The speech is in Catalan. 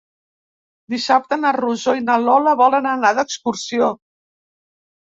Dissabte na Rosó i na Lola volen anar d'excursió.